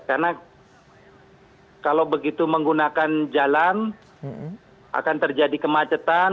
karena kalau begitu menggunakan jalan akan terjadi kemacetan